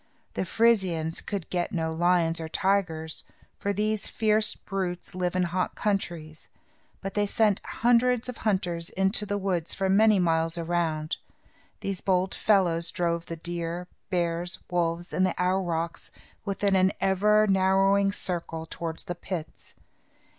The Frisians could get no lions or tigers, for these fierce brutes live in hot countries; but they sent hundreds of hunters into the woods for many miles around. These bold fellows drove the deer, bears, wolves, and the aurochs within an ever narrowing circle towards the pits.